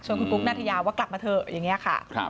คุณกุ๊กนัทยาว่ากลับมาเถอะอย่างนี้ค่ะ